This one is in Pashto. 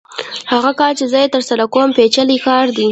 هغه کار چې زه یې ترسره کوم پېچلی کار دی